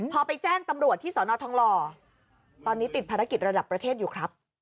พอไปแจ้งตำรวจที่สอนอทองหล่อตอนนี้ติดภารกิจระดับประเทศอยู่ครับ